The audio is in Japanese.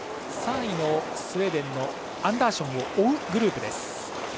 ３位のスウェーデンのアンダーションを追うグループ。